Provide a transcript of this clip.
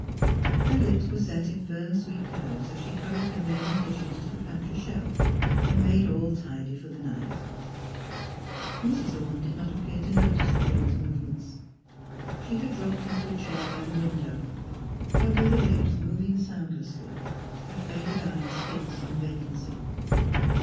Her lips were set in firm, sweet curves as she hurried the remaining dishes to the pantry shelf and made all tidy for the night. Mrs. Orne did not appear to notice the girl's movements. She had dropped into a chair by the window, her withered lips moving soundlessly, her faded eyes fixed on vacancy.